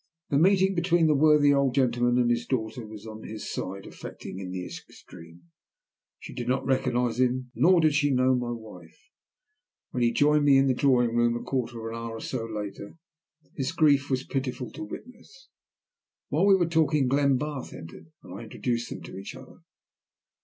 The meeting between the worthy old gentleman and his daughter was on his side affecting in the extreme. She did not recognize him, nor did she know my wife. When he joined me in the drawing room a quarter of an hour or so later his grief was pitiful to witness. While we were talking Glenbarth entered, and I introduced them to each other.